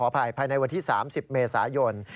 ภายใน๓๐เมษายน